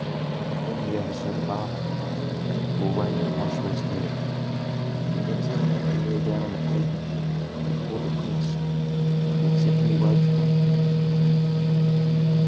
Then he oversaw the barber who arranged the viceroy's hair; next he kneeled down on the pavement and implored the prince to accept new robes from him.